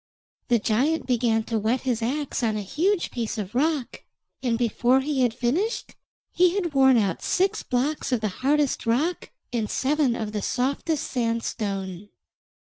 The giant began to whet his axe on a huge piece of rock, and before he had finished he had worn out six blocks of the hardest rock and seven of the softest sandstone.